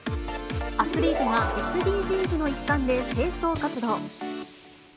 アスリートがＳＤＧｓの一環で清掃活動。